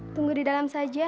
tunggu di dalam saja